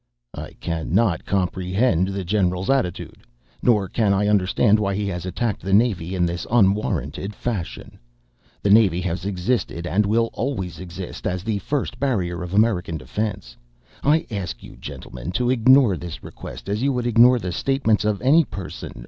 "I cannot comprehend the general's attitude, nor can I understand why he has attacked the Navy in this unwarranted fashion. The Navy has existed and will always exist as the first barrier of American defense. I ask you, gentlemen, to ignore this request as you would ignore the statements of any person